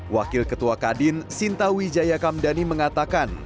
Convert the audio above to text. wakil ketua kadin sinta wijayakamdani mengatakan